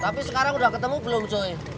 tapi sekarang udah ketemu belum joy